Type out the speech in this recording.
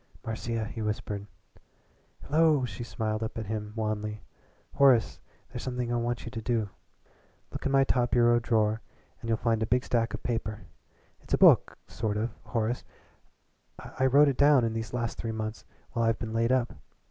"Marcia," he whispered. "Hello!" She smiled up at him wanly. "Horace, there's something I want you to do. Look in my top bureau drawer and you'll find a big stack of paper. It's a book sort of Horace. I wrote it down in these last three months while I've been laid up.